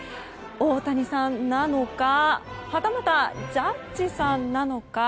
大谷さんなのかはたまたジャッジさんなのか。